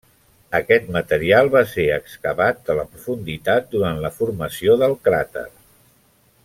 Aquest material va ser excavat de la profunditat durant la formació del cràter.